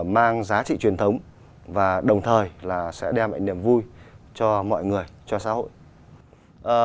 mang giá trị truyền thống và đồng thời là sẽ đem ảnh niệm vui cho mọi người cho xã hội